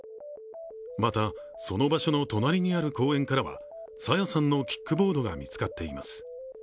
また、その場所の隣にある公園からは朝芽さんのキックボードが見つかっています。